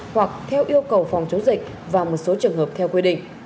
hoặc theo yêu cầu phòng chống dịch và một số trường hợp theo quy định